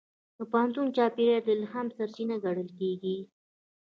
د پوهنتون چاپېریال د الهام سرچینه ګڼل کېږي.